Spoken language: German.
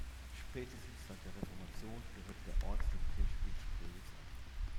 Spätestens seit der Reformation gehörte der Ort dem Kirchspiel Spreewitz an.